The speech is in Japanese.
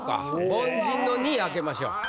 凡人の２位開けましょう。